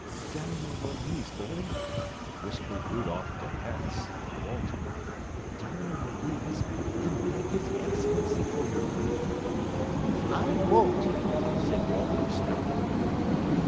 "Down on your knees, boy," whispered Rudolph der Harras to Walter "down on your knees, and beg his Excellency for your life." "I won't!" said Walter stoutly.